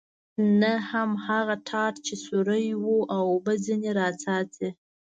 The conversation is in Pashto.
نه هم هغه ټاټ چې سوری و او اوبه ځنې را څاڅي.